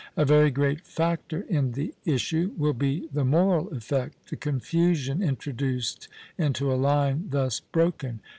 A very great factor in the issue will be the moral effect, the confusion introduced into a line thus broken.